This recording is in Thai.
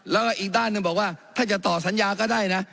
แล้วก็อีกด้านหนึ่งบอกว่าถ้าจะต่อสัญญาก็ได้นะ